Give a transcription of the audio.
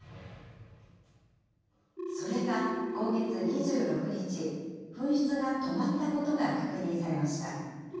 それが今月２６日、噴出が止まったことが確認されました。